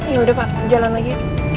ya udah pak jalan lagi